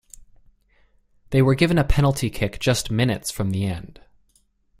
They were given a penalty kick just minutes from the end.